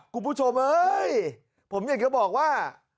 คุณผู้ชมเฮ้ยผมอยากจะบอกว่า